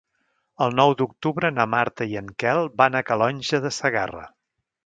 El nou d'octubre na Marta i en Quel van a Calonge de Segarra.